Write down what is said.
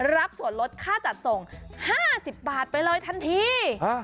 รับส่วนลดค่าจัดส่ง๕๐บาทไปเลยทันที